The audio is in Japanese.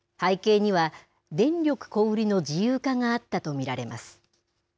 背景には電力小売りの自由化があったと見られます。